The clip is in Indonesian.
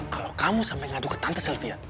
kalau kamu sampe ngadu ke tante sylvia